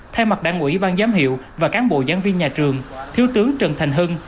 thay mặt đảng ủy ban giám hiệu và cán bộ giảng viên nhà trường thiếu tướng trần thành hưng